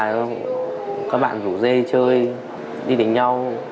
ở ông bà các bạn rủ dê chơi đi đánh nhau